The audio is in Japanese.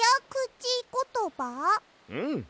うん。